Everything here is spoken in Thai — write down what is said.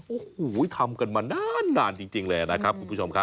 โอ้โหทำกันมานานจริงเลยนะครับคุณผู้ชมครับ